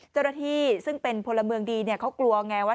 เจ้าหน้าที่ซึ่งเป็นพลเมืองดีเขากลัวไงว่า